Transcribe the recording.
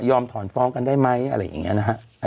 กรมป้องกันแล้วก็บรรเทาสาธารณภัยนะคะ